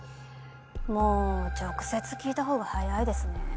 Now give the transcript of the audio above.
もう直接聞いたほうが早いですね。